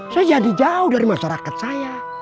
saya jadi jauh dari masyarakat saya